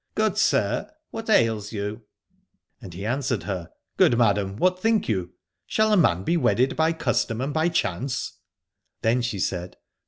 Good Sir, what ails you ? And he answered her, Good Madam, what think you ? Shall a man be wedded by custom and by chance? Then she said.